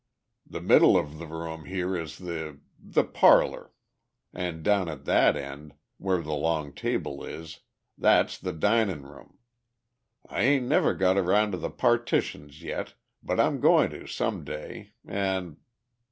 "The middle of the room here is the ... the parlour; an' down at that end, where the long table is, that's the dinin' room. I ain't ever got aroun' to the partitions yet, but I'm goin' to some day. An' ...